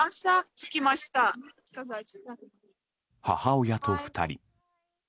母親と２人。